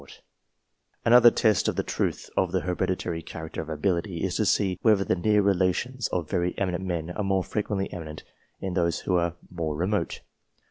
BETWEEN 1660 AND 1865 73 Another test of the truth of the hereditary character of ability is to see whether the near relations of very eminent men are more frequently eminent than those who are more remote.